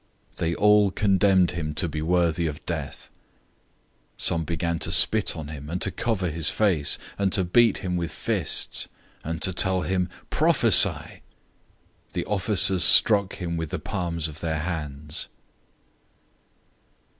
They all condemned him to be worthy of death. 014:065 Some began to spit on him, and to cover his face, and to beat him with fists, and to tell him, "Prophesy!" The officers struck him with the palms of their hands.